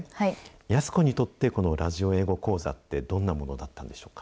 安子にとってこのラジオ英語講座って、どんなものだったんでしょ